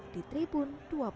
di tribun dua belas